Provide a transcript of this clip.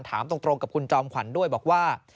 ถามตรงกับคุณจอมขวัญด้วยบอกว่า